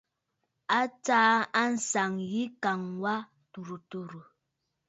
A tsaa àŋsaŋ yî ŋ̀kàŋ wà tùrə̀ tùrə̀.